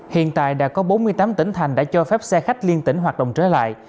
hiện tại đã có bốn mươi tám tỉnh thành đã cho phép xe khách liên tỉnh hoạt động trở lại